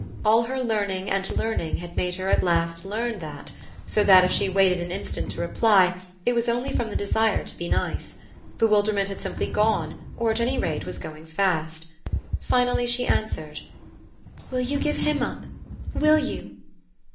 All her learning and learning had made her at last learn that; so that if she waited an instant to reply it was only from the desire to be nice. Bewilderment had simply gone or at any rate was going fast. Finally she answered. "Will you give HIM up? Will you?"